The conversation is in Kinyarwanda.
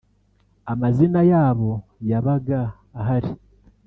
amazina yabo yabaga ahari